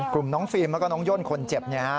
กลุ่มน้องฟิล์มและก็น้องย่นคนเจ็บนี่